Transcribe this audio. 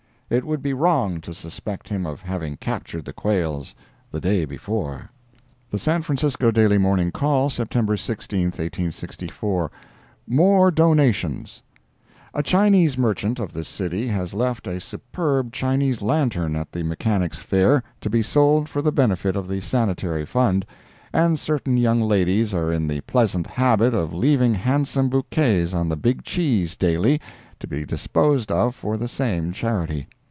It would be wrong to suspect him of having captured the quails the day before. The San Francisco Daily Morning Call, September 16, 1864 MORE DONATIONS A Chinese merchant of this city has left a superb Chinese lantern at the Mechanics' Fair, to be sold for the benefit of the Sanitary Fund, and certain young ladies are in the pleasant habit of leaving handsome bouquets on the big cheese daily, to be disposed of for the same charity.